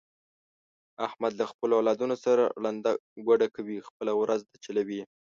احمد له خپلو اولادونو سره ړنده ګوډه کوي، خپله ورځ ده چلوي یې.